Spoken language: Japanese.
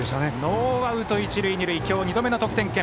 ノーアウト、一塁二塁今日２度目の得点圏。